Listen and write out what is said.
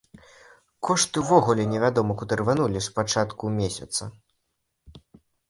Кошты ўвогуле невядома куды рванулі з пачатку месяца.